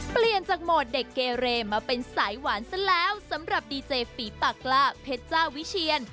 เปลี่ยนจากโหมดเด็กเกเรมาเป็นสายหวานซะแล้วสำหรับดีเจฝีปากกล้าเพชรเจ้าวิเชียน